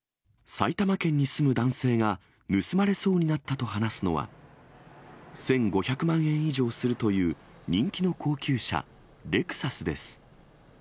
埼玉県に住む男性が盗まれそうになったと話すのは、１５００万円以上するという人気の高級車、レクサスです。